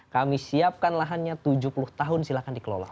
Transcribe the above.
kami siapkan lahannya tujuh puluh tahun silahkan dikelola